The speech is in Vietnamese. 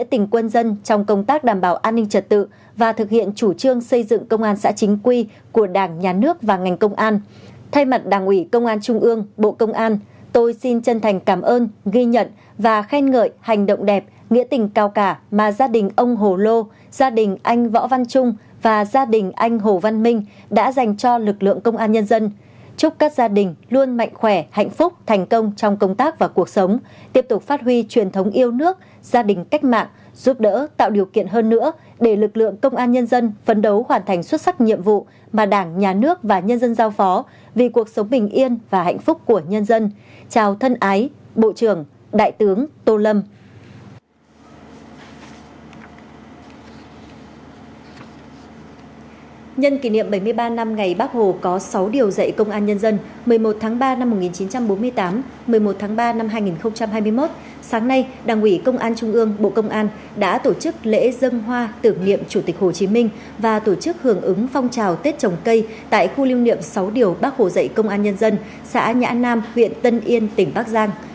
một mươi một tháng ba năm một nghìn chín trăm bốn mươi tám một mươi một tháng ba năm hai nghìn hai mươi một sáng nay đảng ủy công an trung ương bộ công an đã tổ chức lễ dân hoa tưởng niệm chủ tịch hồ chí minh và tổ chức hưởng ứng phong trào tết trồng cây tại khu liêu niệm sáu điều bắc hồ dậy công an nhân dân xã nhã nam huyện tân yên tỉnh bắc giang